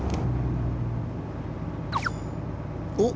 おっ！